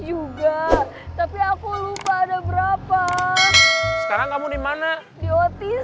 juga tapi aku lupa ada berapa sekarang kamu dimana di otin